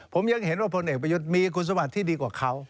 ผมยังเห็นว่าพลเอกประยุทธ์มีคุณสมบัติที่ดีกว่าเขา